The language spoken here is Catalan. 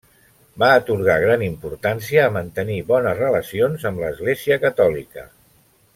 Va atorgar gran importància a mantenir bones relacions amb l'església catòlica.